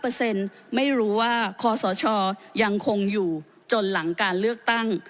เปอร์เซ็นต์ไม่รู้ว่าคอสชยังคงอยู่จนหลังการเลือกแต่ง